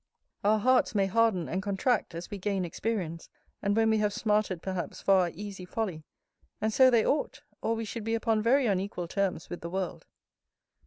Our hearts may harden and contract, as we gain experience, and when we have smarted perhaps for our easy folly: and so they ought, or we should be upon very unequal terms with the world.